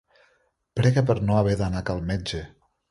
Prega per no haver d'anar a cal metge.